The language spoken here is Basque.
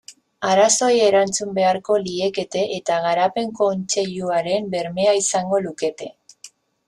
Arazoei erantzun beharko liekete eta Garapen Kontseiluaren bermea izango lukete.